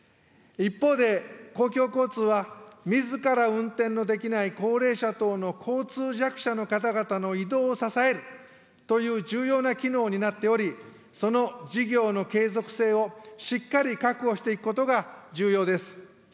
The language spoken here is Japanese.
一方で、公共交通はみずから運転のできない高齢者等の交通弱者の方々の移動を支えるという重要な機能になっており、その事業の継続性をしっかり確保していくことが重要です。